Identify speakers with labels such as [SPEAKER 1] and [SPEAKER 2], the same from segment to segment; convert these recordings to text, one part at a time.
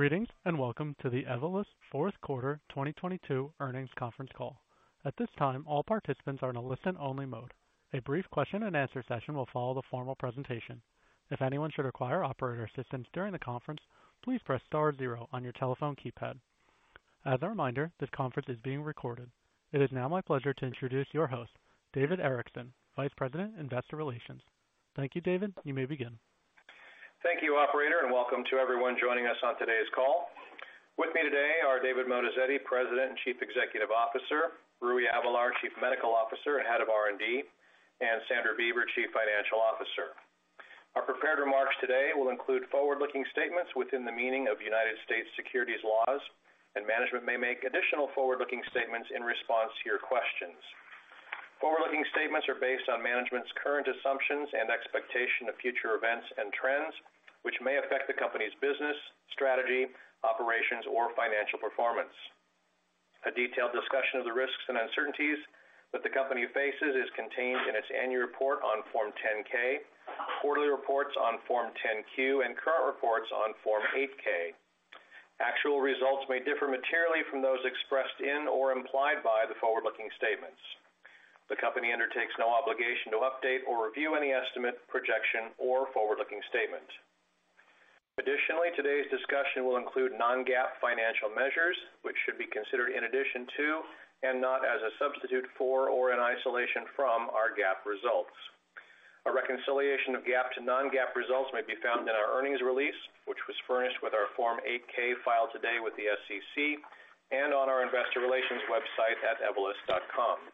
[SPEAKER 1] Greetings, and welcome to the Evolus fourth quarter 2022 earnings conference call. At this time, all participants are in a listen-only mode. A brief question and answer session will follow the formal presentation. If anyone should require operator assistance during the conference, please press star 0 on your telephone keypad. As a reminder, this conference is being recorded. It is now my pleasure to introduce your host, David Erickson, Vice President, Investor Relations. Thank you, David. You may begin.
[SPEAKER 2] Thank you, operator, and welcome to everyone joining us on today's call. With me today are David Moatazedi, President and Chief Executive Officer, Rui Avelar, Chief Medical Officer and Head of R&D, and Sandra Beaver, Chief Financial Officer. Our prepared remarks today will include forward-looking statements within the meaning of United States securities laws. Management may make additional forward-looking statements in response to your questions. Forward-looking statements are based on management's current assumptions and expectation of future events and trends, which may affect the company's business, strategy, operations, or financial performance. A detailed discussion of the risks and uncertainties that the company faces is contained in its annual report on Form 10-K, quarterly reports on Form 10-Q, and current reports on Form 8-K. Actual results may differ materially from those expressed in or implied by the forward-looking statements. The company undertakes no obligation to update or review any estimate, projection, or forward-looking statement. Additionally, today's discussion will include non-GAAP financial measures, which should be considered in addition to and not as a substitute for or an isolation from our GAAP results. A reconciliation of GAAP to non-GAAP results may be found in our earnings release, which was furnished with our Form 8-K filed today with the SEC and on our investor relations website at evolus.com.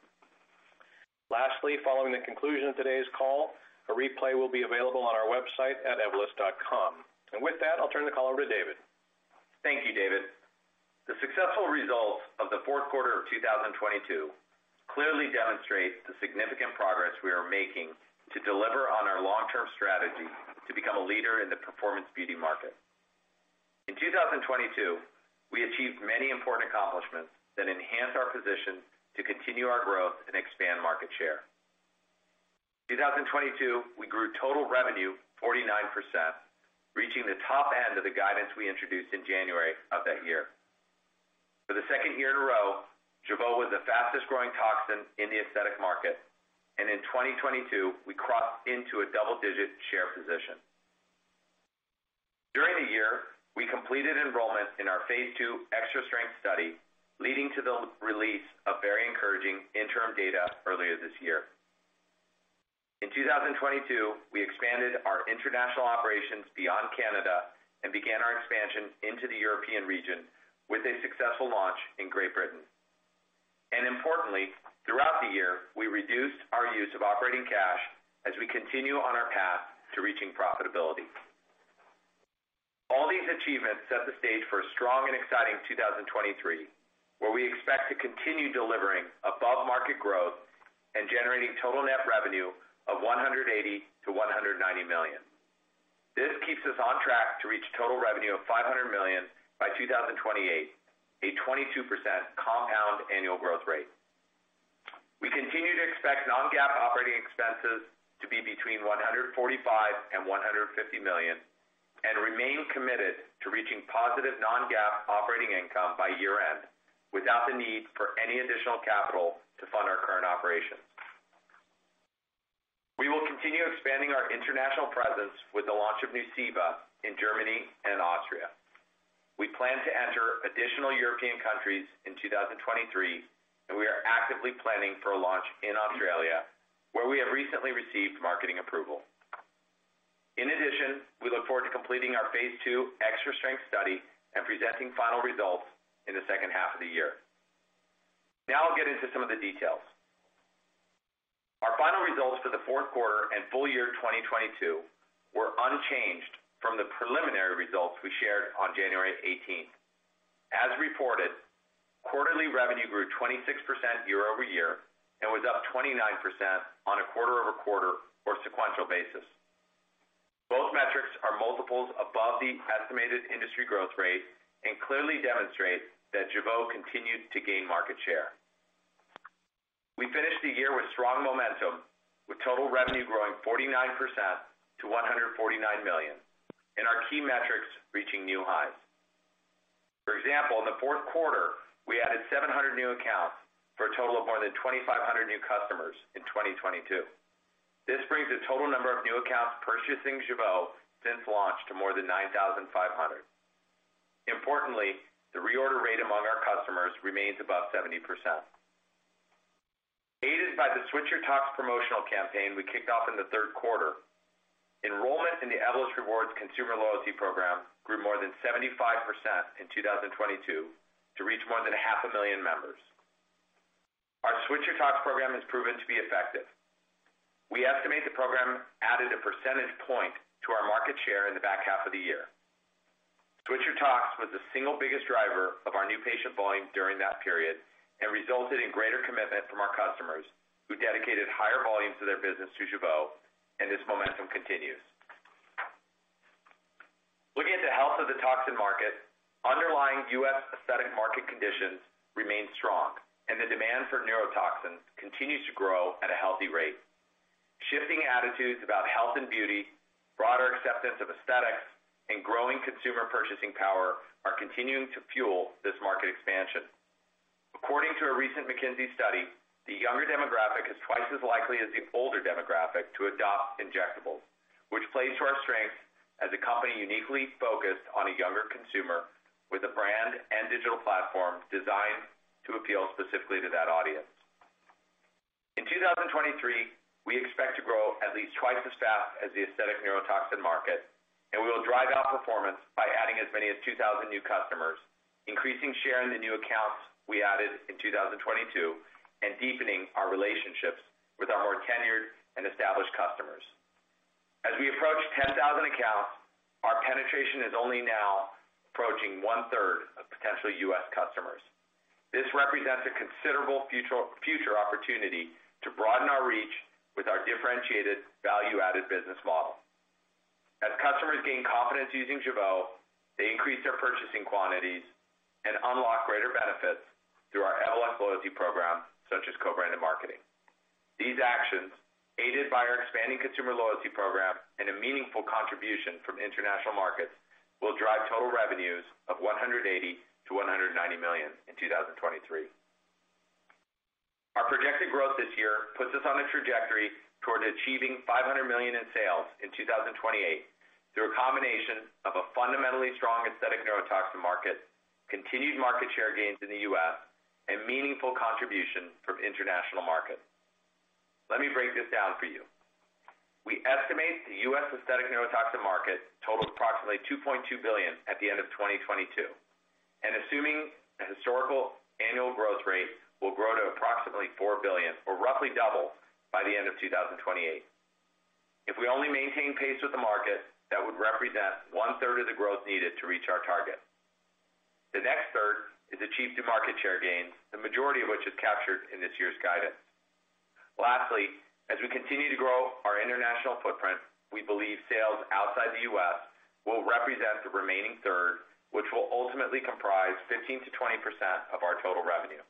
[SPEAKER 2] Lastly, following the conclusion of today's call, a replay will be available on our website at evolus.com. With that, I'll turn the call over to David.
[SPEAKER 3] Thank you, David. The successful results of the fourth quarter of 2022 clearly demonstrate the significant progress we are making to deliver on our long-term strategy to become a leader in the performance beauty market. In 2022, we achieved many important accomplishments that enhance our position to continue our growth and expand market share. 2022, we grew total revenue 49%, reaching the top end of the guidance we introduced in January of that year. For the second year in a row, Jeuveau was the fastest-growing toxin in the aesthetic market, and in 2022, we crossed into a double-digit share position. During the year, we completed enrollment in our phase II extra-strength study, leading to the release of very encouraging interim data earlier this year. In 2022, we expanded our international operations beyond Canada and began our expansion into the European region with a successful launch in Great Britain. Importantly, throughout the year, we reduced our use of operating cash as we continue on our path to reaching profitability. All these achievements set the stage for a strong and exciting 2023, where we expect to continue delivering above-market growth and generating total net revenue of $180 million-$190 million. This keeps us on track to reach total revenue of $500 million by 2028, a 22% compound annual growth rate. We continue to expect non-GAAP operating expenses to be between $145 million and $150 million and remain committed to reaching positive non-GAAP operating income by year-end without the need for any additional capital to fund our current operations. We will continue expanding our international presence with the launch of NUCEIVA in Germany and Austria. We plan to enter additional European countries in 2023, and we are actively planning for a launch in Australia, where we have recently received marketing approval. In addition, we look forward to completing our phase II extra-strength study and presenting final results in the second half of the year. Now I'll get into some of the details. Our final results for the fourth quarter and full year 2022 were unchanged from the preliminary results we shared on January 18th. As reported, quarterly revenue grew 26% year-over-year and was up 29% on a quarter-over-quarter or sequential basis. Both metrics are multiples above the estimated industry growth rate and clearly demonstrate that Jeuveau continues to gain market share. We finished the year with strong momentum, with total revenue growing 49% to $149 million and our key metrics reaching new highs. For example, in the fourth quarter, we added 700 new accounts for a total of more than 2,500 new customers in 2022. This brings the total number of new accounts purchasing Jeuveau since launch to more than 9,500. Importantly, the reorder rate among our customers remains above 70%. Aided by the Switch Your Tox promotional campaign we kicked off in the third quarter, enrollment in the Evolus Rewards consumer loyalty program grew more than 75% in 2022 to reach more than half a million members. Our Switch Your Tox program has proven to be effective. We estimate the program added a percentage point to our market share in the back half of the year. Switch Your Tox was the single biggest driver of our new patient volume during that period and resulted in greater commitment from our customers, who dedicated higher volumes of their business to Jeuveau. This momentum continues. Looking at the health of the toxin market, underlying U.S. aesthetic market conditions remain strong. The demand for neurotoxins continues to grow at a healthy rate. Shifting attitudes about health and beauty, broader acceptance of aesthetics and growing consumer purchasing power are continuing to fuel this market expansion. According to a recent McKinsey study, the younger demographic is twice as likely as the older demographic to adopt injectables, which plays to our strengths as a company uniquely focused on a younger consumer with a brand and digital platform designed to appeal specifically to that audience. In 2023, we expect to grow at least twice as fast as the aesthetic neurotoxin market, and we will drive our performance by adding as many as 2,000 new customers, increasing share in the new accounts we added in 2022, and deepening our relationships with our more tenured and established customers. As we approach 10,000 accounts, our penetration is only now approaching 1/3 of potential U.S. customers. This represents a considerable future opportunity to broaden our reach with our differentiated value-added business model. As customers gain confidence using Jeuveau, they increase their purchasing quantities and unlock greater benefits through our LS loyalty program, such as co-branded marketing. These actions, aided by our expanding consumer loyalty program and a meaningful contribution from international markets, will drive total revenues of $180 million-$190 million in 2023. Our projected growth this year puts us on a trajectory toward achieving $500 million in sales in 2028 through a combination of a fundamentally strong aesthetic neurotoxin market, continued market share gains in the U.S., and meaningful contribution from international markets. Let me break this down for you. We estimate the U.S. aesthetic neurotoxin market totals approximately $2.2 billion at the end of 2022, and assuming a historical annual growth rate will grow to approximately $4 billion or roughly double by the end of 2028. If we only maintain pace with the market, that would represent 1/3 of the growth needed to reach our target. The next 1/3 is achieved through market share gains, the majority of which is captured in this year's guidance. Lastly, as we continue to grow our international footprint, we believe sales outside the U.S. will represent the remaining third, which will ultimately comprise 15%-20% of our total revenue.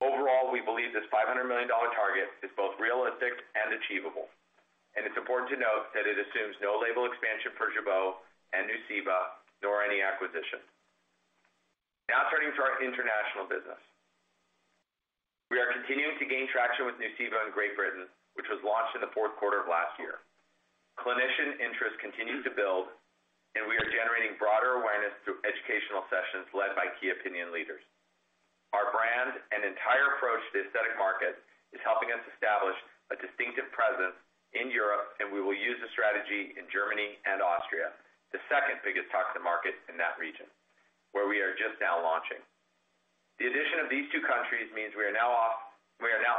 [SPEAKER 3] Overall, we believe this $500 million target is both realistic and achievable, and it's important to note that it assumes no label expansion for Jeuveau and NUCEIVA, nor any acquisition. Now turning to our international business. We are continuing to gain traction with NUCEIVA in Great Britain, which was launched in the fourth quarter of last year. Clinician interest continued to build, and we are generating broader awareness through educational sessions led by key opinion leaders. Our brand and entire approach to the aesthetic market is helping us establish a distinctive presence in Europe. We will use the strategy in Germany and Austria, the second biggest toxin market in that region, where we are just now launching. The addition of these two countries means we are now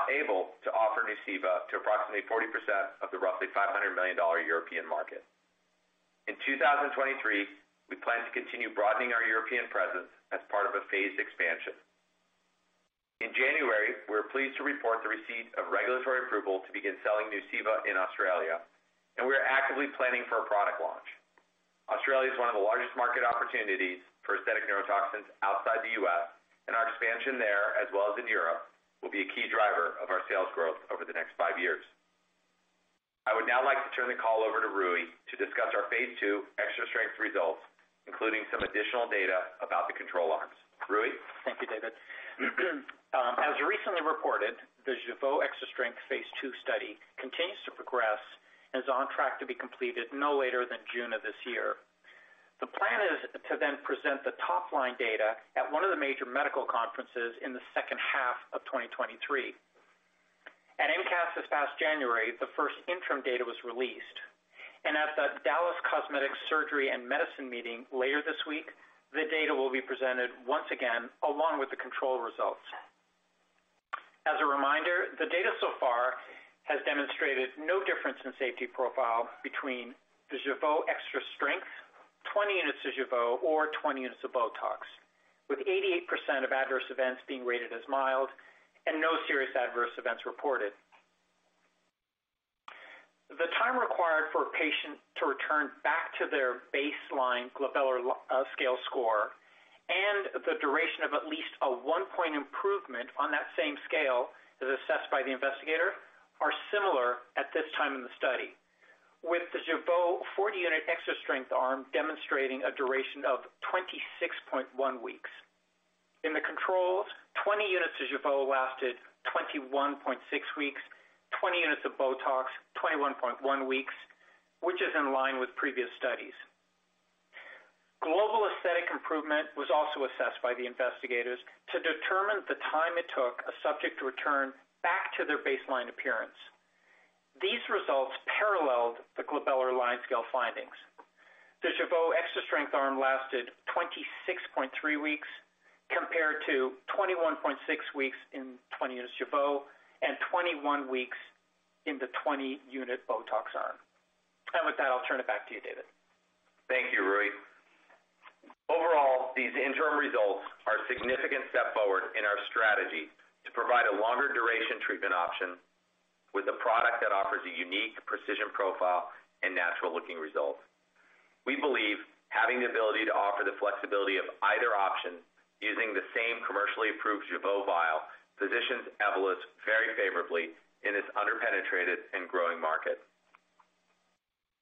[SPEAKER 3] able to offer NUCEIVA to approximately 40% of the roughly $500 million European market. In 2023, we plan to continue broadening our European presence as part of a phased expansion. In January, we were pleased to report the receipt of regulatory approval to begin selling NUCEIVA in Australia. We are actively planning for a product launch. Australia is one of the largest market opportunities for aesthetic neurotoxins outside the U.S. Our expansion there, as well as in Europe, will be a key driver of our sales growth over the next five years. I would now like to turn the call over to Rui to discuss our phase two extra strength results, including some additional data about the control arms. Rui?
[SPEAKER 4] Thank you, David. As recently reported, the Jeuveau Extra Strength phase II study continues to progress and is on track to be completed no later than June of this year. The plan is to present the top-line data at one of the major medical conferences in the second half of 2023. At IMCAS this past January, the first interim data was released, and at the Dallas Cosmetic Surgery and Medicine Meeting later this week, the data will be presented once again along with the control results. As a reminder, the data so far has demonstrated no difference in safety profile between the Jeuveau Extra Strength, 20 units of Jeuveau, or 20 units of BOTOX, with 88% of adverse events being rated as mild and no serious adverse events reported. The time required for a patient to return back to their baseline glabellar scale score and the duration of at least a 1-point improvement on that same scale as assessed by the investigator are similar at this time in the study, with the Jeuveau 40 unit Extra Strength arm demonstrating a duration of 26.1 weeks. In the controls, 20 units of Jeuveau lasted 21.6 weeks, 20 units of Botox 21.1 weeks, which is in line with previous studies. Global aesthetic improvement was also assessed by the investigators to determine the time it took a subject to return back to their baseline appearance. These results paralleled the glabellar line scale findings. The Jeuveau Extra Strength arm lasted 26.3 weeks compared to 21.6 weeks in 20 units Jeuveau and 21 weeks in the 20-unit Botox arm. With that, I'll turn it back to you, David.
[SPEAKER 3] Thank you, Rui. Overall, these interim results are a significant step forward in our strategy to provide a longer duration treatment option with a product that offers a unique precision profile and natural-looking results. We believe having the ability to offer the flexibility of either option using the same commercially approved Jeuveau vial positions Evolus very favorably in its under-penetrated and growing market.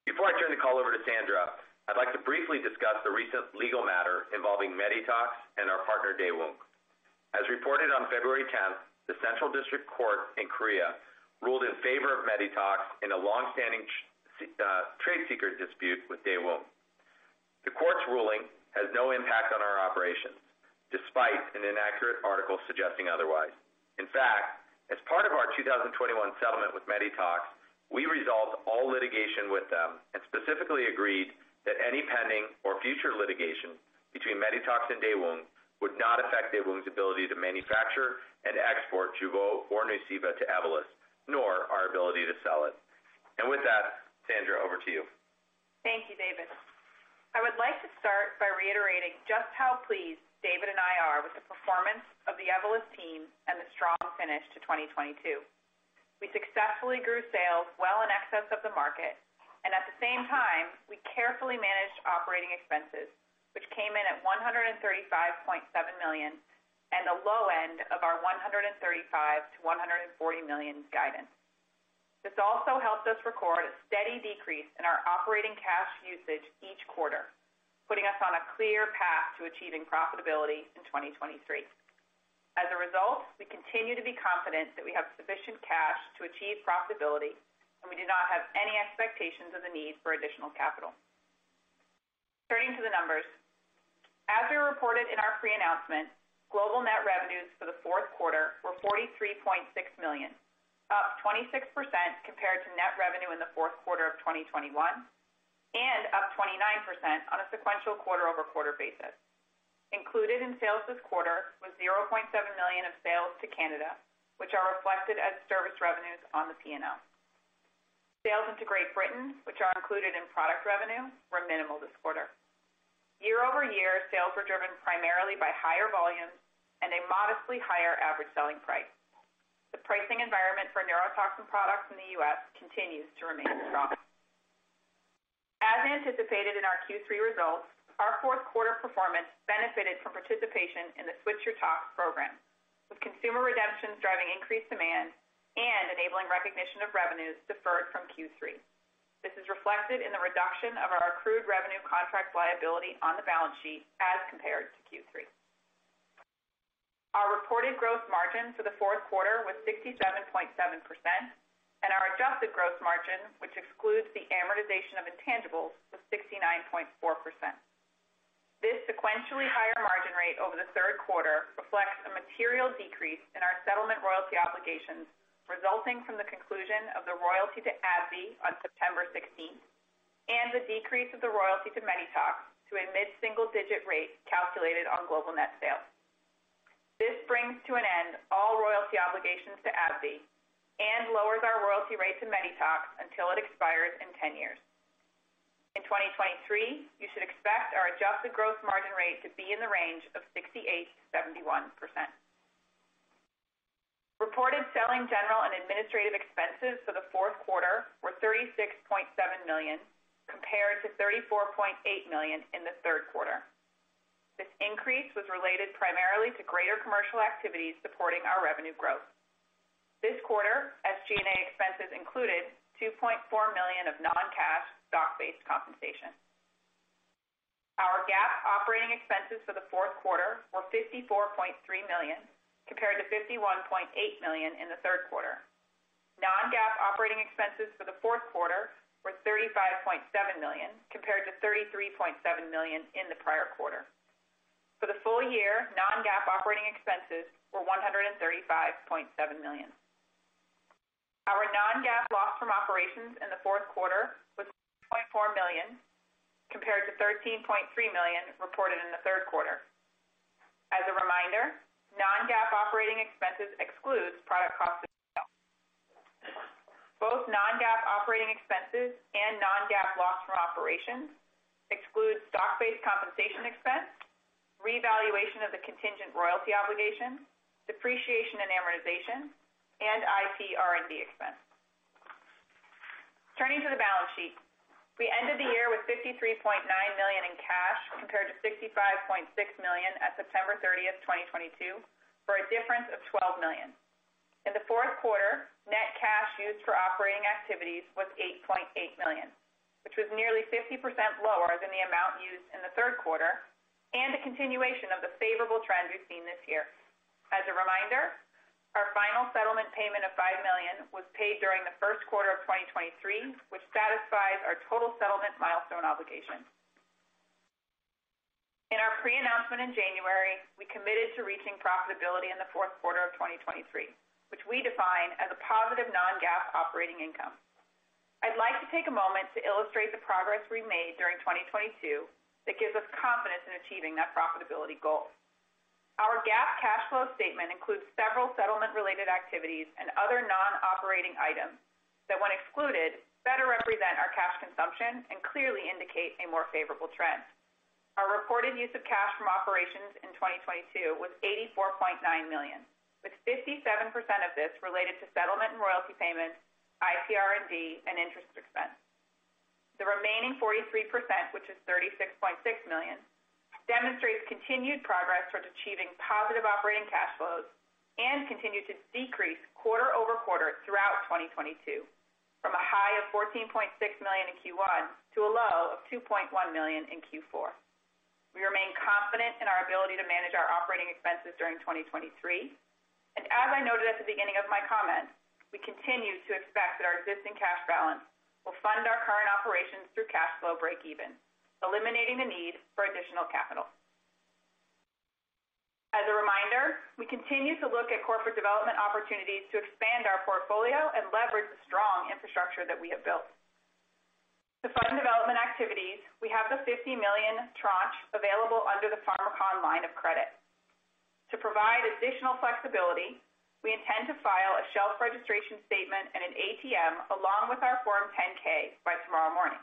[SPEAKER 3] Before I turn the call over to Sandra, I'd like to briefly discuss the recent legal matter involving Medytox and our partner Daewoong. As reported on February tenth, the Seoul Central District Court ruled in favor of Medytox in a long-standing trade secret dispute with Daewoong. The court's ruling has no impact on our operations, despite an inaccurate article suggesting otherwise. In fact, as part of our 2021 settlement with Medytox, we resolved all litigation with them and specifically agreed that any pending or future litigation between Medytox and Daewoong would not affect Daewoong's ability to manufacture and export Jeuveau or NUCEIVA to Evolus, nor our ability to sell it. With that, Sandra, over to you.
[SPEAKER 5] Thank you, David. I would like to start by reiterating just how pleased David and I are with the performance of the Evolus team and the strong finish to 2022. We successfully grew sales well in excess of the market. At the same time, we carefully managed operating expenses, which came in at $135.7 million and the low end of our $135 million-$140 million guidance. This also helped us record a steady decrease in our operating cash usage each quarter, putting us on a clear path to achieving profitability in 2023. As a result, we continue to be confident that we have sufficient cash to achieve profitability. We do not have any expectations of the need for additional capital. Turning to the numbers. As we reported in our pre-announcement, global net revenues for the fourth quarter were $43.6 million, up 26% compared to net revenue in the fourth quarter of 2021 and up 29% on a sequential quarter-over-quarter basis. Included in sales this quarter was $0.7 million of sales to Canada, which are reflected as service revenues on the P&L. Sales into Great Britain, which are included in product revenue, were minimal this quarter. Year-over-year sales were driven primarily by higher volumes and a modestly higher average selling price. The pricing environment for neurotoxin products in the U.S. continues to remain strong. As anticipated in our Q3 results, our fourth quarter performance benefited from participation in the Switch Your Tox program, with consumer redemptions driving increased demand and enabling recognition of revenues deferred from Q3. This is reflected in the reduction of our accrued revenue contract liability on the balance sheet as compared to Q3. Our reported gross margin for the fourth quarter was 67.7%, and our adjusted gross margin, which excludes the amortization of intangibles, was 69.4%. This sequentially higher margin rate over the third quarter reflects a material decrease in our settlement royalty obligations resulting from the conclusion of the royalty to AbbVie on September 16th and the decrease of the royalty to Medytox to a mid-single-digit rate calculated on global net sales. This brings to an end all royalty obligations to AbbVie and lowers our royalty rate to Medytox until it expires in 10 years. In 2023, you should expect our adjusted gross margin rate to be in the range of 68%-71%. Reported selling, general and administrative expenses for the fourth quarter were $36.7 million, compared to $34.8 million in the third quarter. This increase was related primarily to greater commercial activities supporting our revenue growth. This quarter, SG&A expenses included $2.4 million of non-cash stock-based compensation. Our GAAP operating expenses for the fourth quarter were $54.3 million, compared to $51.8 million in the third quarter. Non-GAAP operating expenses for the fourth quarter were $35.7 million, compared to $33.7 million in the prior quarter. For the full year, non-GAAP operating expenses were $135.7 million. Our non-GAAP loss from operations in the fourth quarter was $0.4 million, compared to $13.3 million reported in the third quarter. As a reminder, non-GAAP operating expenses excludes product cost of sales. Both non-GAAP operating expenses and non-GAAP loss from operations excludes stock-based compensation expense, revaluation of the contingent royalty obligation, depreciation and amortization, and IP R&D expense. Turning to the balance sheet. We ended the year with $53.9 million in cash, compared to $65.6 million at September 30th, 2022, for a difference of $12 million. In the fourth quarter, net cash used for operating activities was $8.8 million, which was nearly 50% lower than the amount used in the third quarter and a continuation of the favorable trend we've seen this year. As a reminder, our final settlement payment of $5 million was paid during the first quarter of 2023, which satisfies our total settlement milestone obligation. In our pre-announcement in January, we committed to reaching profitability in the fourth quarter of 2023, which we define as a positive non-GAAP operating income. I'd like to take a moment to illustrate the progress we made during 2022 that gives us confidence in achieving that profitability goal. Our GAAP cash flow statement includes several settlement-related activities and other non-operating items that, when excluded, better represent our cash consumption and clearly indicate a more favorable trend. Our reported use of cash from operations in 2022 was $84.9 million, with 57% of this related to settlement and royalty payments, IPR&D and interest expense. The remaining 43%, which is $36.6 million, demonstrates continued progress towards achieving positive operating cash flows and continued to decrease quarter-over-quarter throughout 2022, from a high of $14.6 million in Q1 to a low of $2.1 million in Q4. We remain confident in our ability to manage our operating expenses during 2023. As I noted at the beginning of my comments, we continue to expect that our existing cash balance will fund our current operations through cash flow breakeven, eliminating the need for additional capital. As a reminder, we continue to look at corporate development opportunities to expand our portfolio and leverage the strong infrastructure that we have built. To fund development activities, we have the $50 million tranche available under the Pharmakon line of credit. To provide additional flexibility, we intend to file a shelf registration statement and an ATM along with our Form 10-K by tomorrow morning.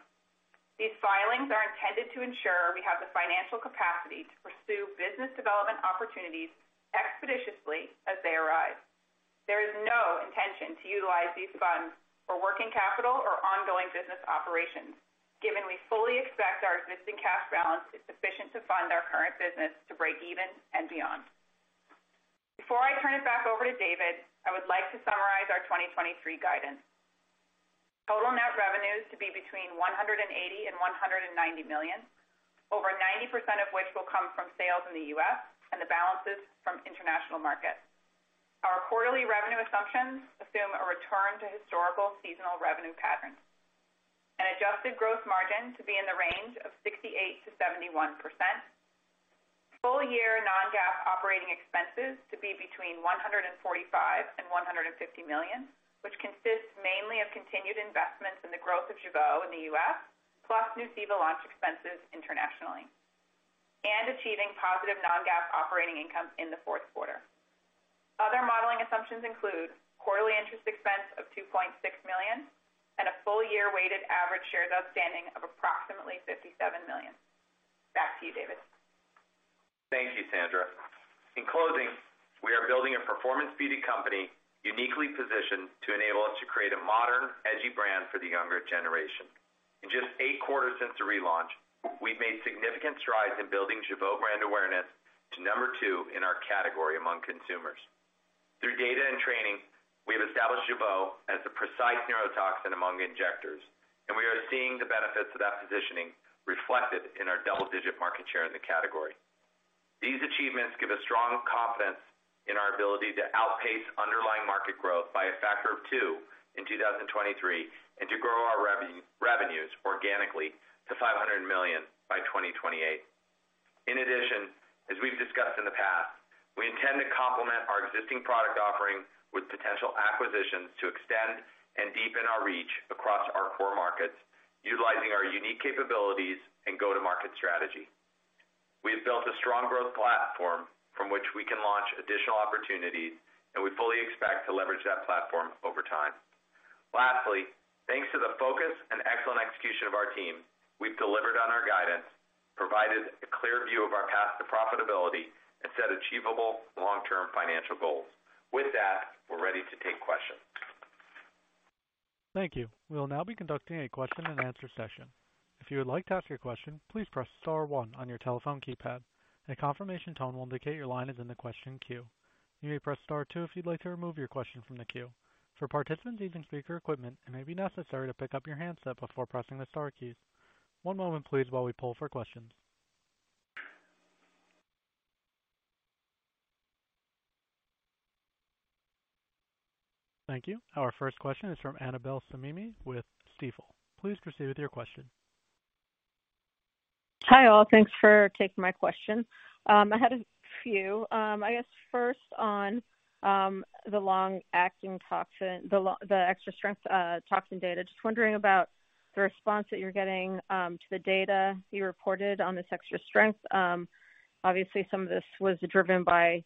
[SPEAKER 5] These filings are intended to ensure we have the financial capacity to pursue business development opportunities expeditiously as they arise. There is no intention to utilize these funds for working capital or ongoing business operations, given we fully expect our existing cash balance is sufficient to fund our current business to break even and beyond. Before I turn it back over to David, I would like to summarize our 2023 guidance. Total net revenues to be between $180 million and $190 million, over 90% of which will come from sales in the U.S. and the balances from international markets. Our quarterly revenue assumptions assume a return to historical seasonal revenue patterns. An adjusted growth margin to be in the range of 68%-71%. Full-year non-GAAP operating expenses to be between $145 million and $150 million, which consists mainly of continued investments in the growth of Jeuveau in the U.S., plus NUCEIVA launch expenses internationally. Achieving positive non-GAAP operating income in the fourth quarter. Other modeling assumptions include quarterly interest expense of $2.6 million and a full-year weighted average shares outstanding of approximately 57 million. Back to you, David.
[SPEAKER 3] Thank you, Sandra. In closing, we are building a performance beauty company uniquely positioned to enable us to create a modern, edgy brand for the younger generation. In just eight quarters since the relaunch, we've made significant strides in building Jeuveau brand awareness to number two in our category among consumers. Through data and training, we have established Jeuveau as the precise neurotoxin among injectors, and we are seeing the benefits of that positioning reflected in our double-digit market share in the category. These achievements give us strong confidence in our ability to outpace underlying market growth by a factor of two in 2023 and to grow our revenues organically to $500 million by 2028. In addition, as we've discussed in the past, we intend to complement our existing product offering with potential acquisitions to extend and deepen our reach across our core markets, utilizing our unique capabilities and go-to-market strategy. We have built a strong growth platform from which we can launch additional opportunities, and we fully expect to leverage that platform over time. Lastly, thanks to the focus and excellent execution of our team, we've delivered on our guidance, provided a clear view of our path to profitability, and set achievable long-term financial goals. With that, we're ready to take questions.
[SPEAKER 1] Thank you. We will now be conducting a question-and-answer session. If you would like to ask your question, please press star one on your telephone keypad. A confirmation tone will indicate your line is in the question queue. You may press Star two if you'd like to remove your question from the queue. For participants using speaker equipment, it may be necessary to pick up your handset before pressing the star keys. One moment please while we pull for questions. Thank you. Our first question is from Annabel Samimy with Stifel. Please proceed with your question.
[SPEAKER 6] Hi, all. Thanks for taking my question. I had a few. I guess first on the long-acting toxin, the extra strength toxin data. Just wondering about the response that you're getting to the data you reported on this extra strength. Obviously, some of this was driven by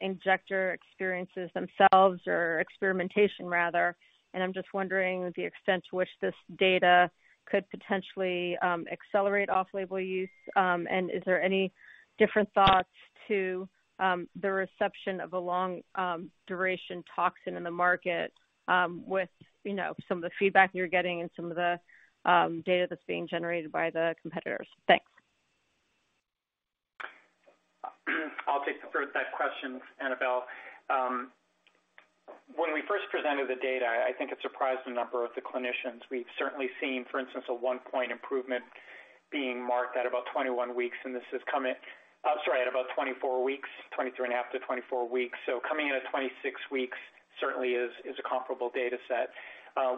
[SPEAKER 6] injector experiences themselves or experimentation rather. I'm just wondering the extent to which this data could potentially accelerate off-label use. Is there any different thoughts to the reception of a long duration toxin in the market with, you know, some of the feedback you're getting and some of the data that's being generated by the competitors? Thanks.
[SPEAKER 3] I'll take the first of that question, Annabel Samimy. When we first presented the data, I think it surprised a number of the clinicians. We've certainly seen, for instance, a one-point improvement being marked at about 21 weeks, and this is coming, sorry, at about 24 weeks, 23 and a half to 24 weeks. Coming in at 26 weeks certainly is a comparable data set.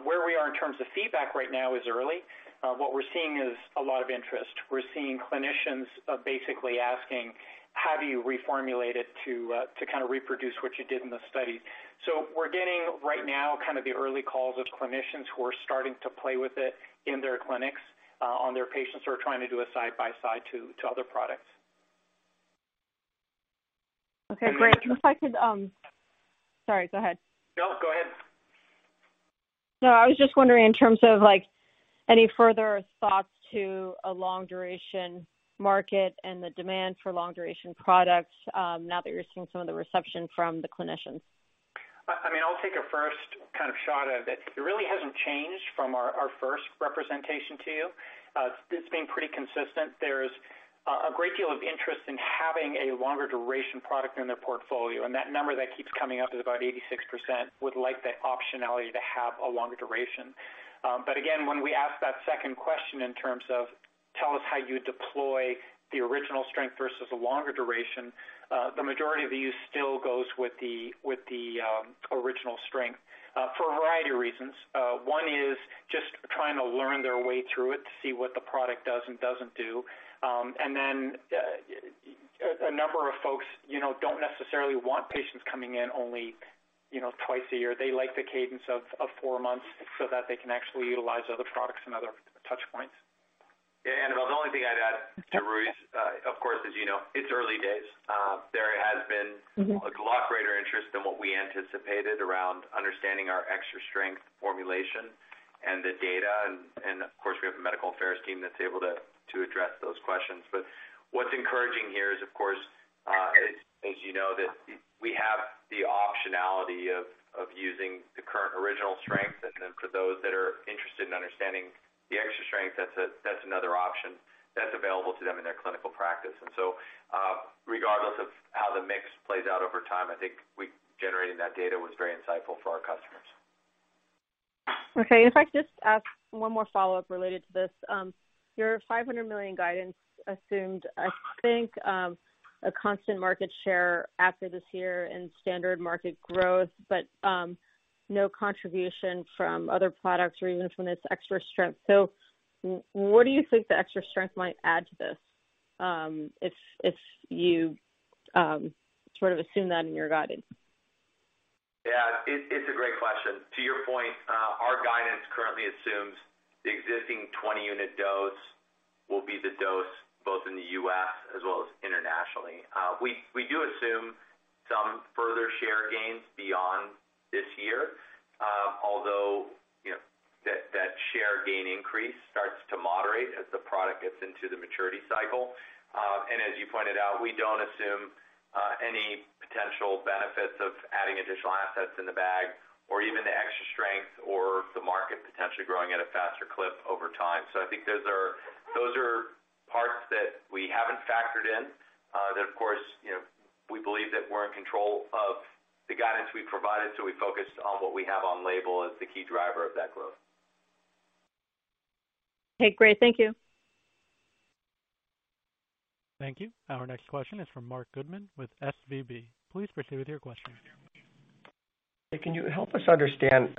[SPEAKER 3] Where we are in terms of feedback right now is early. What we're seeing is a lot of interest. We're seeing clinicians basically asking, have you reformulated to kind of reproduce what you did in the study? We're getting right now kind of the early calls of clinicians who are starting to play with it in their clinics on their patients who are trying to do a side-by-side to other products.
[SPEAKER 6] Okay, great. If I could, sorry, go ahead.
[SPEAKER 4] No, go ahead.
[SPEAKER 6] No, I was just wondering in terms of, like, any further thoughts to a long duration market and the demand for long duration products, now that you're seeing some of the reception from the clinicians.
[SPEAKER 4] I mean, I'll take a first kind of shot at it. It really hasn't changed from our first representation to you. It's been pretty consistent. There's a great deal of interest in having a longer duration product in their portfolio, and that number that keeps coming up is about 86% would like the optionality to have a longer duration. Again, when we ask that second question in terms of tell us how you deploy the original strength versus a longer duration, the majority of the use still goes with the original strength, for a variety of reasons. One is just trying to learn their way through it to see what the product does and doesn't do. A number of folks, you know, don't necessarily want patients coming in only, you know, twice a year. They like the cadence of four months so that they can actually utilize other products and other touch points.
[SPEAKER 3] Yeah, Annabel, the only thing I'd add to Rui's, of course, as you know, it's early days.
[SPEAKER 6] Mm-hmm.
[SPEAKER 3] A lot greater interest than what we anticipated around understanding our extra strength formulation and the data, and of course, we have a medical affairs team that's able to address those questions. What's encouraging here is of course, as you know, that we have the optionality of using the current original strength. Then for those that are interested in understanding the extra strength, that's another option that's available to them in their clinical practice. Regardless of how the mix plays out over time, I think we generating that data was very insightful for our customers.
[SPEAKER 6] Okay. If I could just ask one more follow-up related to this. Your $500 million guidance assumed, I think, a constant market share after this year in standard market growth, but no contribution from other products or even from this extra strength. What do you think the extra strength might add to this, if you sort of assume that in your guidance?
[SPEAKER 3] Yeah, it's a great question. To your point, our guidance currently assumes the existing 20-unit dose will be the dose both in the U.S. as well as internationally. We do assume some further share gains beyond this year, although, you know, that share gain increase starts to moderate as the product gets into the maturity cycle. As you pointed out, we don't assume any potential benefits of adding additional assets in the bag or even the extra strength or the market potentially growing at a faster clip over time. I think those are parts that we haven't factored in, that of course, you know, we believe that we're in control of the guidance we've provided, so we focused on what we have on label as the key driver of that growth.
[SPEAKER 6] Okay, great. Thank you.
[SPEAKER 1] Thank you. Our next question is from Marc Goodman with SVB. Please proceed with your question.
[SPEAKER 7] Hey, can you help us understand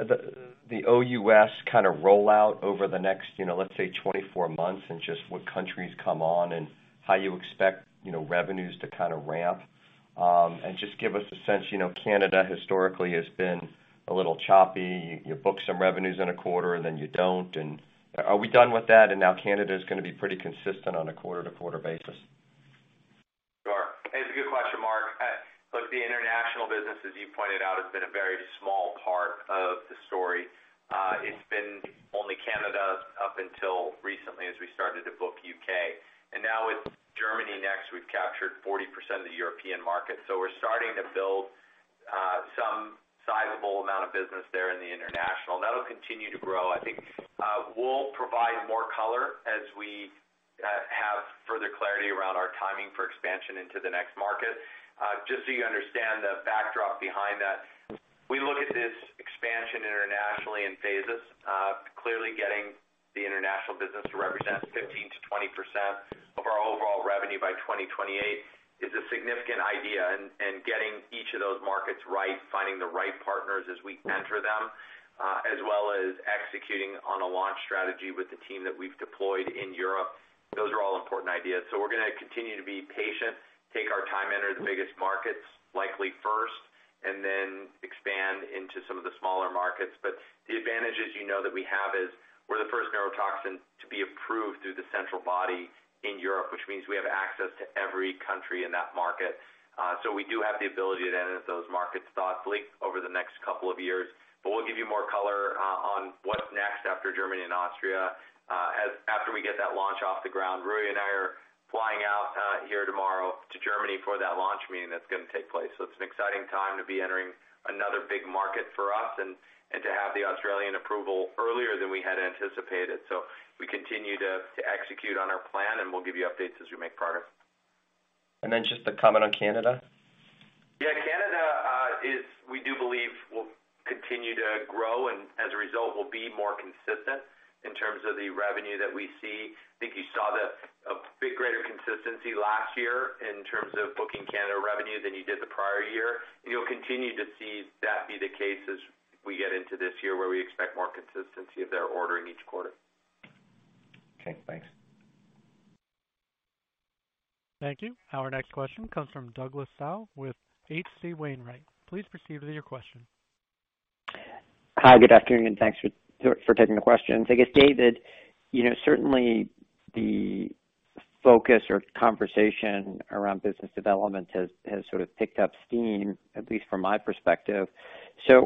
[SPEAKER 7] the OUS kind of rollout over the next, you know, let's say, 24 months and just what countries come on and how you expect, you know, revenues to kind of ramp? Just give us a sense, you know, Canada historically has been a little choppy. You book some revenues in a quarter and then you don't. Are we done with that and now Canada is gonna be pretty consistent on a quarter-to-quarter basis?
[SPEAKER 3] Sure. It's a good question, Mark. look, the international business, as you pointed out, has been a very small part of the story. it's been only Canada up until recently as we started to book U.K. Now with Germany next, we've captured 40% of the European market. We're starting to build, some sizable amount of business there in the international. That'll continue to grow. I think, we'll provide more color as we, have further clarity around our timing for expansion into the next market. just so you understand the backdrop behind that, we look at this expansion internationally in phases. clearly getting the international business to represent 15%-20% of our overall revenue by 2028 is a significant idea. Getting each of those markets right, finding the right partners as we enter them, as well as executing on a launch strategy with the team that we've deployed in Europe, those are all important ideas. We're gonna continue to be patient, take our time, enter the biggest markets, likely first, and then expand into some of the smaller markets. The advantage, as you know that we have is we're the first neurotoxin to be approved through the central body in Europe, which means we have access to every country in that market. We do have the ability to enter those markets thoughtfully over the next couple of years. We'll give you more color on what's next after Germany and Austria after we get that launch off the ground. Rui and I are flying out here tomorrow to Germany for that launch meeting that's gonna take place. It's an exciting time to be entering another big market for us and to have the Australian approval earlier than we had anticipated. We continue to execute on our plan, and we'll give you updates as we make progress.
[SPEAKER 7] Just a comment on Canada.
[SPEAKER 3] Canada, we do believe will continue to grow and as a result, will be more consistent in terms of the revenue that we see. I think you saw a big greater consistency last year in terms of booking Canada revenue than you did the prior year. You'll continue to see that be the case as we get into this year where we expect more consistency of their ordering each quarter.
[SPEAKER 7] Okay, thanks.
[SPEAKER 1] Thank you. Our next question comes from Douglas Tsao with H.C. Wainwright. Please proceed with your question.
[SPEAKER 8] Hi, good afternoon, and thanks for taking the questions. I guess, David, you know, certainly the focus or conversation around business development has sort of picked up steam, at least from my perspective.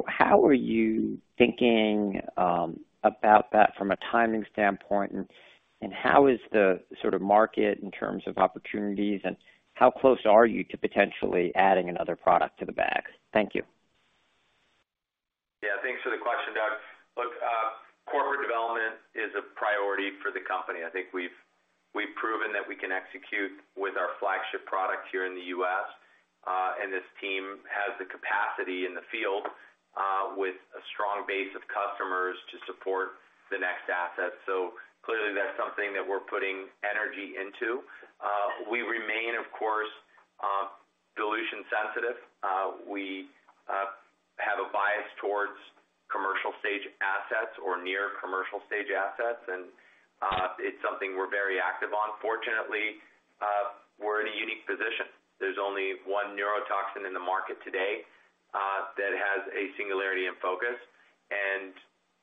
[SPEAKER 8] How are you thinking about that from a timing standpoint? How is the sort of market in terms of opportunities, and how close are you to potentially adding another product to the bag? Thank you.
[SPEAKER 3] Yeah. Thanks for the question, Doug. Look, corporate development is a priority for the company. I think we've proven that we can execute with our flagship product here in the U.S., and this team has the capacity in the field with a strong base of customers to support the next asset. Clearly, that's something that we're putting energy into. We remain, of course, dilution sensitive. We have a bias towards commercial stage assets or near commercial stage assets, and it's something we're very active on. Fortunately, we're in a unique position. There's only one neurotoxin in the market today that has a singularity and focus, and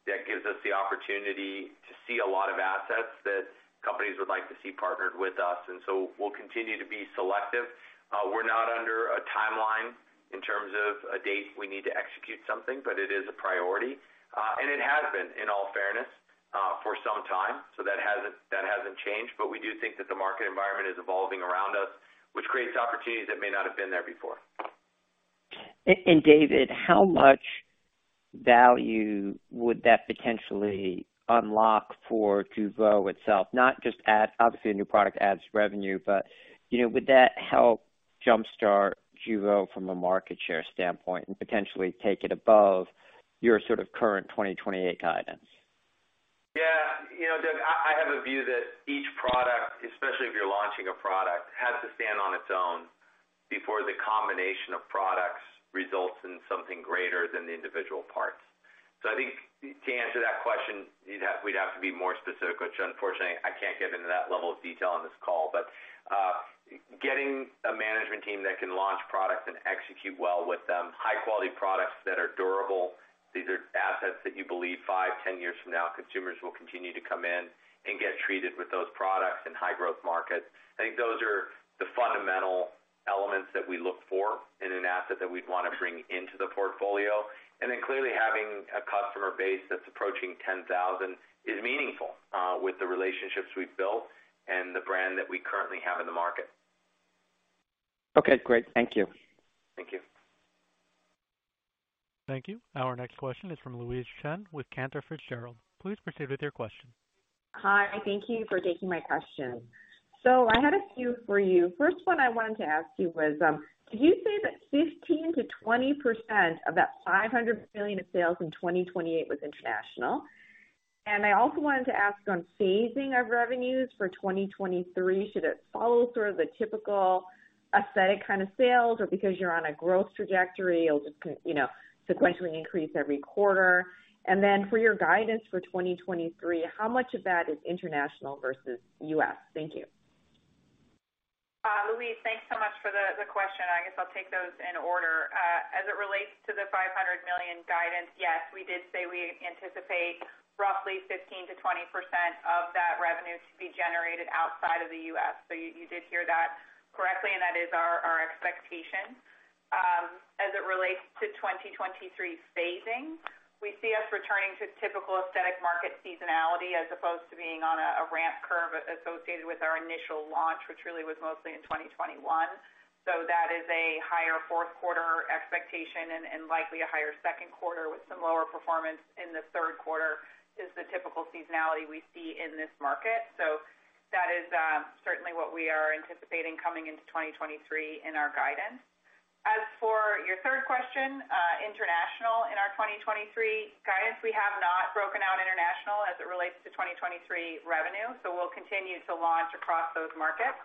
[SPEAKER 3] that gives us the opportunity to see a lot of assets that companies would like to see partnered with us. We'll continue to be selective. We're not under a timeline in terms of a date we need to execute something, but it is a priority. It has been, in all fairness, for some time, so that hasn't changed. We do think that the market environment is evolving around us, which creates opportunities that may not have been there before.
[SPEAKER 8] David, how much value would that potentially unlock for Jeuveau itself? Not just obviously, a new product adds revenue, but, you know, would that help jumpstart Jeuveau from a market share standpoint and potentially take it above your sort of current 2028 guidance?
[SPEAKER 3] You know, Doug, I have a view that each product, especially if you're launching a product, has to stand on its own before the combination of products results in something greater than the individual parts. I think to answer that question, we'd have to be more specific, which unfortunately, I can't get into that level of detail on this call. Getting a management team that can launch products and execute well with them, high quality products that are durable, these are assets that you believe five, 10 years from now, consumers will continue to come in and get treated with those products in high growth markets. I think those are the fundamental elements that we look for in an asset that we'd wanna bring into the portfolio. Clearly having a customer base that's approaching 10,000 is meaningful, with the relationships we've built and the brand that we currently have in the market.
[SPEAKER 8] Okay, great. Thank you.
[SPEAKER 3] Thank you.
[SPEAKER 1] Thank you. Our next question is from Louise Chen with Cantor Fitzgerald. Please proceed with your question.
[SPEAKER 9] Hi, thank you for taking my question. I had a few for you. First one I wanted to ask you was, did you say that 15%-20% of that $500 million of sales in 2028 was international? I also wanted to ask on phasing of revenues for 2023, should it follow sort of the typical aesthetic kind of sales or because you're on a growth trajectory, it'll just you know, sequentially increase every quarter? For your guidance for 2023, how much of that is international versus U.S.? Thank you.
[SPEAKER 5] Louise, thanks so much for the question. I guess I'll take those in order. As it relates to the $500 million guidance, yes, we did say we anticipate roughly 15%-20% of that revenue to be generated outside of the U.S. You did hear that correctly, and that is our expectation. As it relates to 2023 phasing, we see us returning to typical aesthetic market seasonality as opposed to being on a ramp curve associated with our initial launch, which really was mostly in 2021. That is a higher fourth quarter expectation and likely a higher second quarter with some lower performance in the third quarter, is the typical seasonality we see in this market. That is certainly what we are anticipating coming into 2023 in our guidance. As for your third question, international in our 2023 guidance, we have not broken out international as it relates to 2023 revenue. We'll continue to launch across those markets,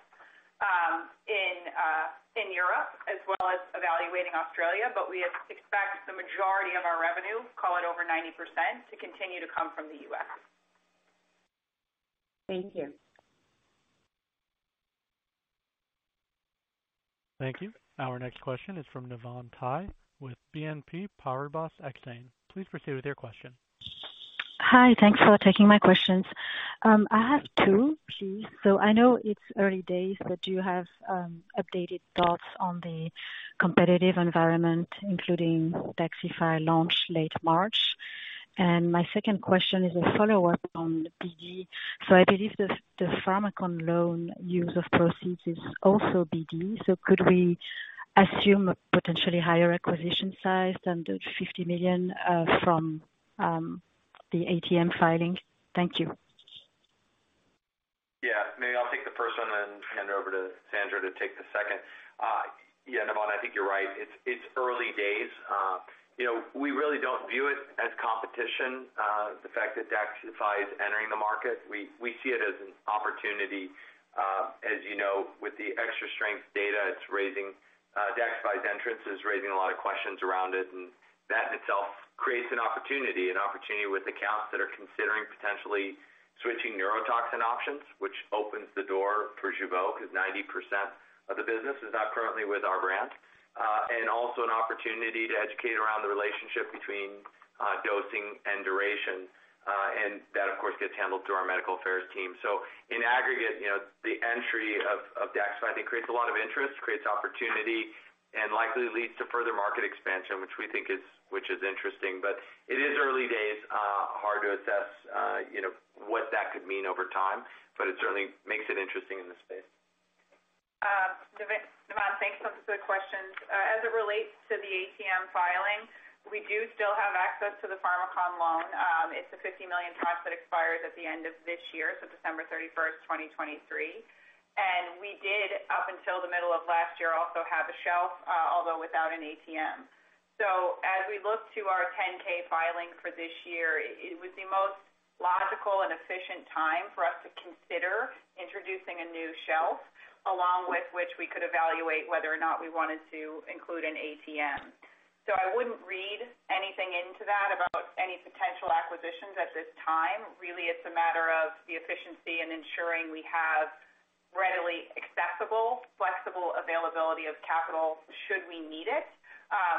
[SPEAKER 5] in Europe as well as evaluating Australia. We expect the majority of our revenue, call it over 90%, to continue to come from the U.S.
[SPEAKER 9] Thank you.
[SPEAKER 1] Thank you. Our next question is from Navann Ty with BNP Paribas Exane. Please proceed with your question.
[SPEAKER 10] Hi, thanks for taking my questions. I have two, please. I know it's early days, but do you have updated thoughts on the competitive environment, including DAXXIFY launch late March? My second question is a follow-up on BD. I believe the Pharmakon loan use of proceeds is also BD. Could we assume a potentially higher acquisition size than the $50 million from the ATM filing? Thank you.
[SPEAKER 3] Maybe I'll take the first one and hand over to Sandra to take the second. Navann, I think you're right. It's early days. You know, we really don't view it as competition, the fact that DAXXIFY is entering the market. We see it as an opportunity. As you know, with the extra strength data it's raising, DAXXIFY's entrance is raising a lot of questions around it, and that in itself creates an opportunity, an opportunity with accounts that are considering potentially switching neurotoxin options, which opens the door for Jeuveau, 'cause 90% of the business is not currently with our brand. Also an opportunity to educate around the relationship between dosing and duration. That, of course, gets handled through our medical affairs team. In aggregate, you know, the entry of DAXXIFY I think creates a lot of interest, creates opportunity, and likely leads to further market expansion, which is interesting. It is early days, hard to assess, you know, what that could mean over time, but it certainly makes it interesting in this space.
[SPEAKER 5] Navann, thanks for the questions. As it relates to the ATM filing, we do still have access to the Pharmakon loan. It's a $50 million trust that expires at the end of this year, so December 31st, 2023. We did, up until the middle of last year, also have a shelf, although without an ATM. As we look to our 10-K filing for this year, it would be most logical and efficient time for us to consider introducing a new shelf, along with which we could evaluate whether or not we wanted to include an ATM. I wouldn't read anything into that about any potential acquisitions at this time. Really, it's a matter of the efficiency and ensuring we have readily accessible, flexible availability of capital should we need it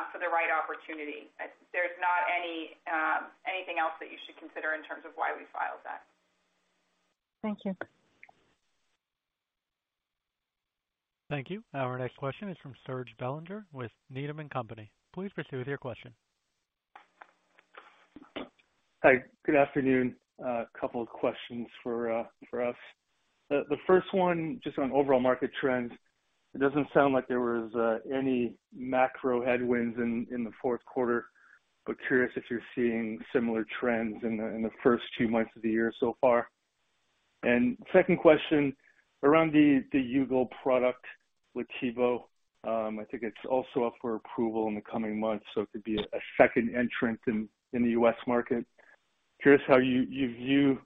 [SPEAKER 5] for the right opportunity. There's not any, anything else that you should consider in terms of why we filed that.
[SPEAKER 3] Thank you.
[SPEAKER 1] Thank you. Our next question is from Serge Belanger with Needham & Company. Please proceed with your question.
[SPEAKER 11] Hi, good afternoon. A couple of questions for for us. The first one, just on overall market trends. It doesn't sound like there was any macro headwinds in the fourth quarter, but curious if you're seeing similar trends in the first two months of the year so far. Second question, around the Jeuveau product with Teoxane, I think it's also up for approval in the coming months, so it could be a second entrant in the U.S. market. Curious how you view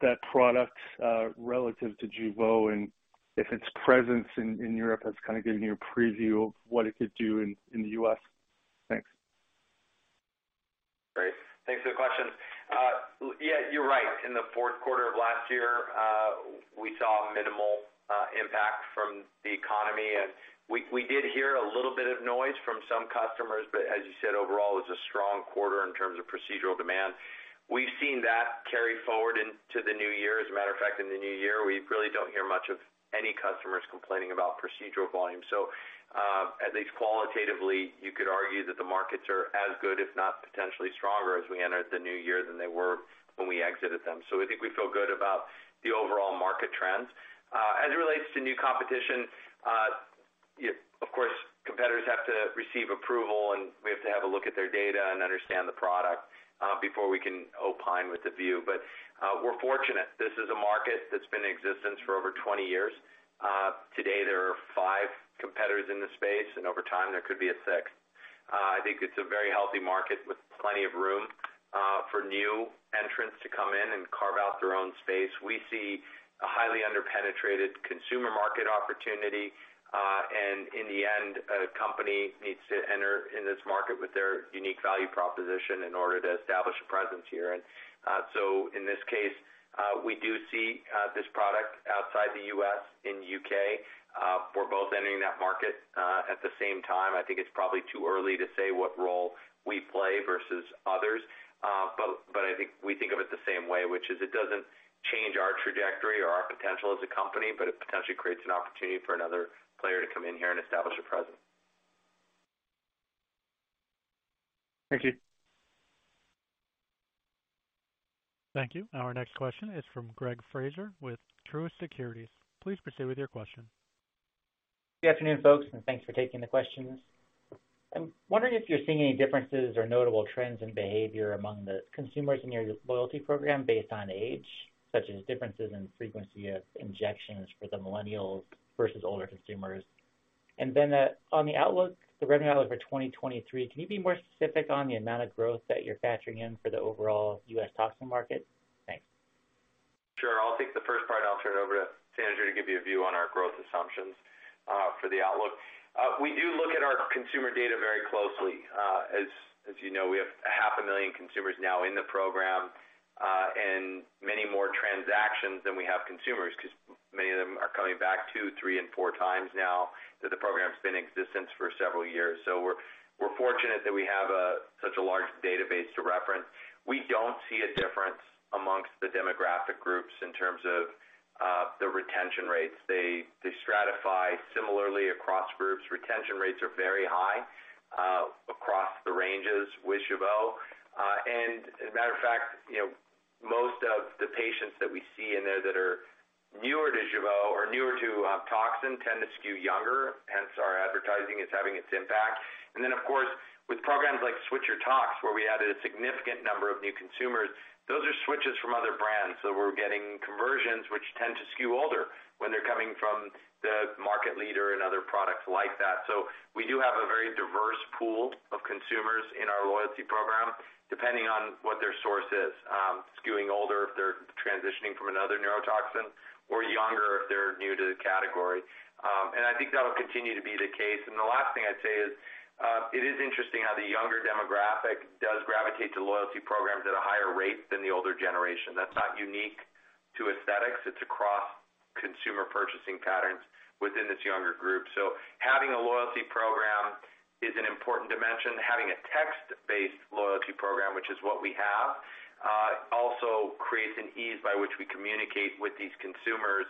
[SPEAKER 11] that product, relative to Jeuveau and if its presence in Europe has kind of given you a preview of what it could do in the U.S. Thanks.
[SPEAKER 3] Great. Thanks for the question. Yeah, you're right. In the fourth quarter of last year, we saw minimal impact from the economy, and we did hear a little bit of noise from some customers. As you said, overall, it's a strong quarter in terms of procedural demand. We've seen that carry forward into the new year. As a matter of fact, in the new year, we really don't hear much of any customers complaining about procedural volume. At least qualitatively, you could argue that the markets are as good, if not potentially stronger as we entered the new year than they were when we exited them. I think we feel good about the overall market trends. As it relates to new competition, of course, competitors have to receive approval and we have to have a look at their data and understand the product before we can opine with the view. We're fortunate. This is a market that's been in existence for over 20 years. Today, there are five competitors in the space, and over time, there could be a sixth. I think it's a very healthy market with plenty of room for new entrants to come in and carve out their own space. We see a highly under-penetrated consumer market opportunity, and in the end, a company needs to enter in this market with their unique value proposition in order to establish a presence here. In this case, we do see this product outside the U.S. in U.K. We're both entering that market, at the same time. I think it's probably too early to say what role we play versus others. I think we think of it the same way, which is it doesn't change our trajectory or our potential as a company, but it potentially creates an opportunity for another player to come in here and establish a presence.
[SPEAKER 11] Thank you.
[SPEAKER 1] Thank you. Our next question is from Greg Fraser with Truist Securities. Please proceed with your question.
[SPEAKER 12] Good afternoon, folks, thanks for taking the questions. I'm wondering if you're seeing any differences or notable trends in behavior among the consumers in your loyalty program based on age, such as differences in frequency of injections for the millennials versus older consumers. On the outlook, the revenue outlook for 2023, can you be more specific on the amount of growth that you're factoring in for the overall U.S. toxin market? Thanks.
[SPEAKER 3] Sure. I'll take the first part, and I'll turn it over to Sandra to give you a view on our growth assumptions for the outlook. We do look at our consumer data very closely. As you know, we have half a million consumers now in the program, and many more transactions than we have consumers because many of them are coming back two, three and four times now that the program's been in existence for several years. We're fortunate that we have such a large database to reference. We don't see a difference amongst the demographic groups in terms of the retention rates. They stratify similarly across groups. Retention rates are very high across the ranges with Jeuveau. As a matter of fact, you know, most of the patients that we see in there that are newer to Jeuveau or newer to toxin tend to skew younger, hence our advertising is having its impact. Of course, with programs like Switch Your Tox, where we added a significant number of new consumers, those are switches from other brands. We're getting conversions which tend to skew older when they're coming from the market leader and other products like that. We do have a very diverse pool of consumers in our loyalty program, depending on what their source is, skewing older if they're transitioning from another neurotoxin or younger if they're new to the category. I think that'll continue to be the case. The last thing I'd say is. It is interesting how the younger demographic does gravitate to loyalty programs at a higher rate than the older generation. That's not unique to aesthetics. It's across consumer purchasing patterns within this younger group. Having a loyalty program is an important dimension. Having a text-based loyalty program, which is what we have, also creates an ease by which we communicate with these consumers.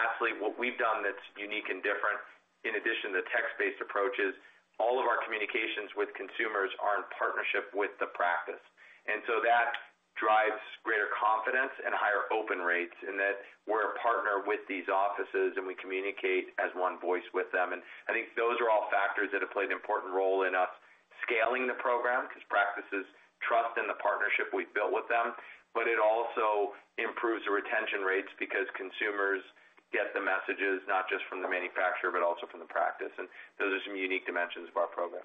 [SPEAKER 3] Lastly, what we've done that's unique and different, in addition to text-based approaches, all of our communications with consumers are in partnership with the practice. That drives greater confidence and higher open rates in that we're a partner with these offices and we communicate as one voice with them. I think those are all factors that have played an important role in us scaling the program because practices trust in the partnership we've built with them. It also improves the retention rates because consumers get the messages not just from the manufacturer, but also from the practice. Those are some unique dimensions of our program.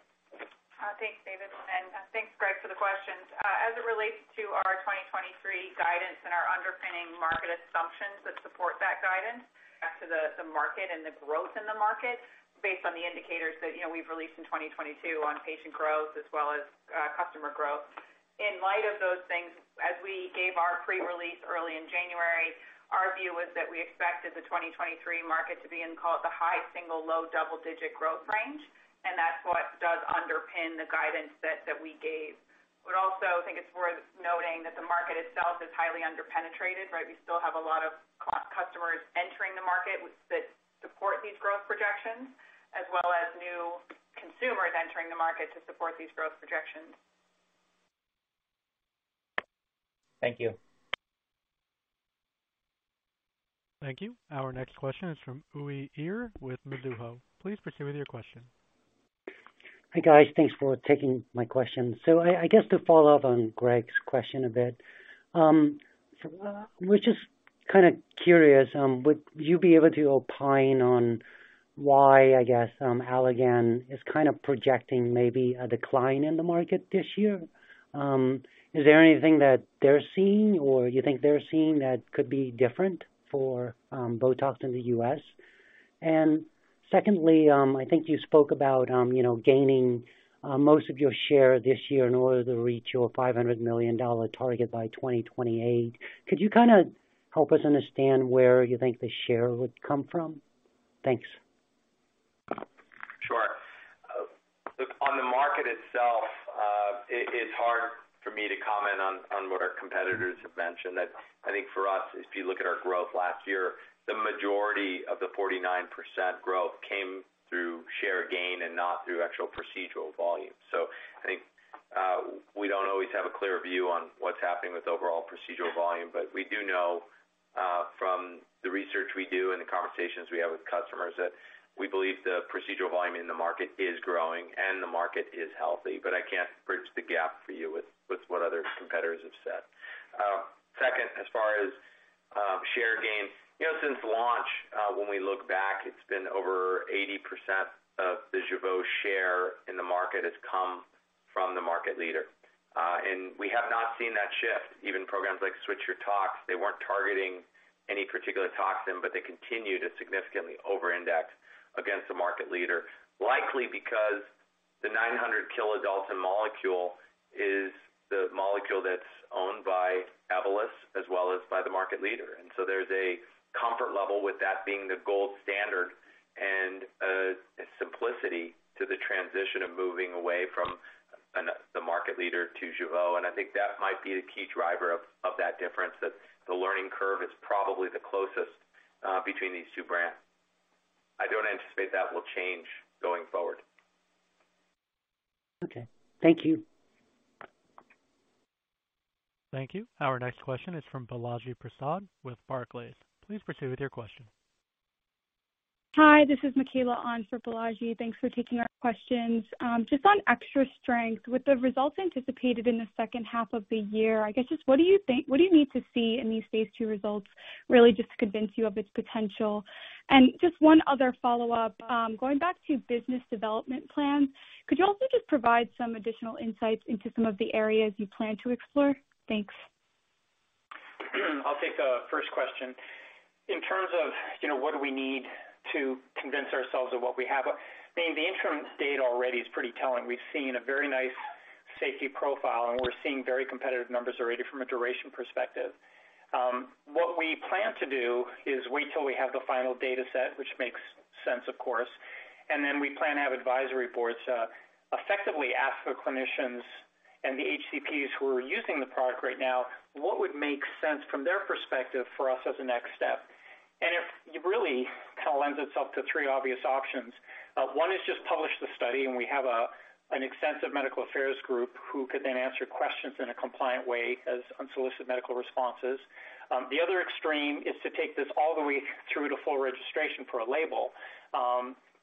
[SPEAKER 5] Thanks, David, and thanks, Greg, for the questions. As it relates to our 2023 guidance and our underpinning market assumptions that support that guidance back to the market and the growth in the market based on the indicators that, you know, we've released in 2022 on patient growth as well as customer growth. In light of those things, as we gave our pre-release early in January, our view was that we expected the 2023 market to be in call it the high single, low double-digit growth range, and that's what does underpin the guidance that we gave. Would also think it's worth noting that the market itself is highly underpenetrated, right? We still have a lot of customers entering the market that support these growth projections, as well as new consumers entering the market to support these growth projections.
[SPEAKER 12] Thank you.
[SPEAKER 1] Thank you. Our next question is from Uy Ear with Mizuho. Please proceed with your question.
[SPEAKER 13] Hi, guys. Thanks for taking my question. I guess to follow up on Greg's question a bit, we're just kinda curious, would you be able to opine on why, I guess, Allergan is kind of projecting maybe a decline in the market this year? Is there anything that they're seeing or you think they're seeing that could be different for Botox in the U.S.? Secondly, I think you spoke about, you know, gaining most of your share this year in order to reach your $500 million target by 2028. Could you kinda help us understand where you think the share would come from? Thanks.
[SPEAKER 3] Sure. Look, on the market itself, it's hard for me to comment on what our competitors have mentioned. I think for us, if you look at our growth last year, the majority of the 49% growth came through share gain and not through actual procedural volume. I think, we don't always have a clear view on what's happening with overall procedural volume, but we do know, from the research we do and the conversations we have with customers that we believe the procedural volume in the market is growing and the market is healthy. I can't bridge the gap for you with what other competitors have said. Second, as far as, share gain, you know, since launch, when we look back, it's been over 80% of the Jeuveau share in the market has come from the market leader. We have not seen that shift. Even programs like Switch Your Tox, they weren't targeting any particular toxin, but they continued to significantly over-index against the market leader, likely because the 900 kDa molecule is the molecule that's owned by Evolus as well as by the market leader. There's a comfort level with that being the gold standard and a simplicity to the transition of moving away from the market leader to Jeuveau. I think that might be the key driver of that difference, that the learning curve is probably the closest between these two brands. I don't anticipate that will change going forward.
[SPEAKER 13] Okay. Thank you.
[SPEAKER 1] Thank you. Our next question is from Balaji Prasad with Barclays. Please proceed with your question.
[SPEAKER 14] Hi, this is Mikaela on for Balaji. Thanks for taking our questions. Just on extra strength, with the results anticipated in the second half of the year, I guess just what do you think, what do you need to see in these phase two results really just to convince you of its potential? Just one other follow-up. Going back to business development plans, could you also just provide some additional insights into some of the areas you plan to explore? Thanks.
[SPEAKER 4] I'll take the first question. In terms of, you know, what do we need to convince ourselves of what we have, I mean, the interim data already is pretty telling. We've seen a very nice safety profile, and we're seeing very competitive numbers already from a duration perspective. What we plan to do is wait till we have the final data set, which makes sense, of course, and then we plan to have advisory boards, effectively ask the clinicians and the HCPs who are using the product right now what would make sense from their perspective for us as a next step. It really kind of lends itself to three obvious options. One is just publish the study, and we have an extensive medical affairs group who could then answer questions in a compliant way as unsolicited medical responses. The other extreme is to take this all the way through to full registration for a label.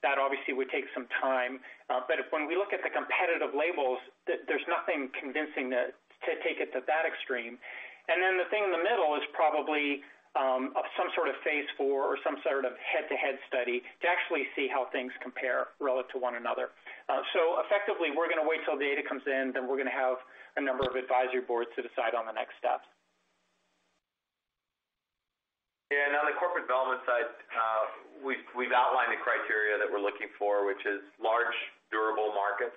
[SPEAKER 4] That obviously would take some time. When we look at the competitive labels, there's nothing convincing to take it to that extreme. The thing in the middle is probably of some sort of phase IV or some sort of head-to-head study to actually see how things compare relative to one another. Effectively, we're gonna wait till the data comes in, we're gonna have a number of advisory boards to decide on the next steps. On the corporate development side, we've outlined the criteria that we're looking for, which is large, durable markets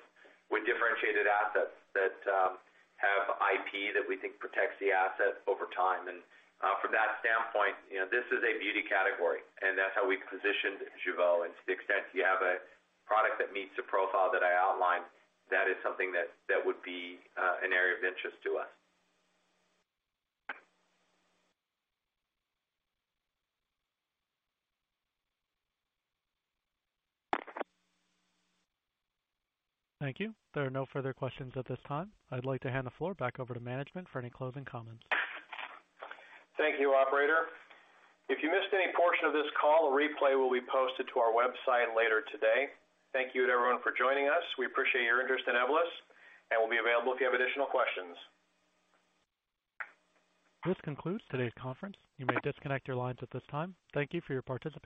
[SPEAKER 4] with differentiated assets that have IP that we think protects the asset over time.
[SPEAKER 3] From that standpoint, you know, this is a beauty category, and that's how we positioned Jeuveau. To the extent you have a product that meets the profile that I outlined, that is something that would be an area of interest to us.
[SPEAKER 1] Thank you. There are no further questions at this time. I'd like to hand the floor back over to management for any closing comments.
[SPEAKER 3] Thank you, operator. If you missed any portion of this call, a replay will be posted to our website later today. Thank you to everyone for joining us. We appreciate your interest in Evolus and we'll be available if you have additional questions.
[SPEAKER 1] This concludes today's conference. You may disconnect your lines at this time. Thank you for your participation.